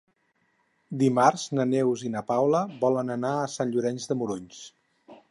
Dimarts na Neus i na Paula volen anar a Sant Llorenç de Morunys.